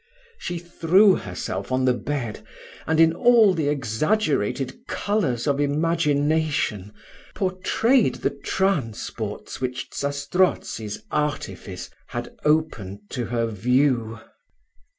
She threw herself on the bed, and, in all the exaggerated colours of imagination, portrayed the transports which Zastrozzi's artifice has opened to her view.